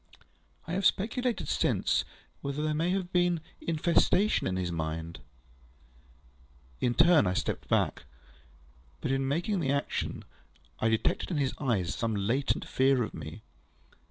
I have speculated since, whether there may have been infection in his mind. In my turn, I stepped back. But in making the action, I detected in his eyes some latent fear of me.